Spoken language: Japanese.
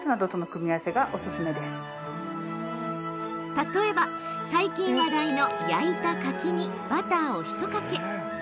例えば、最近話題の焼いた柿にバターを一かけ。